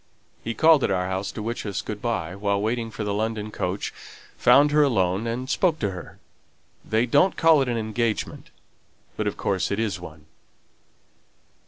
He called at our house to wish us good by, while waiting for the London coach, found her alone, and spoke to her. They don't call it an engagement, but of course it is one."